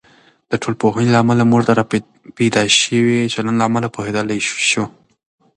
د ټولنپوهنې له امله، موږ د راپیدا شوي چلند له امله پوهیدلی شو.